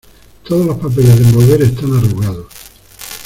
Todos los papeles de envolver están arrugados.